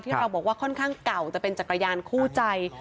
เราบอกว่าค่อนข้างเก่าจะเป็นจักรยานคู่ใจ